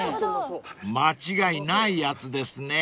［間違いないやつですね］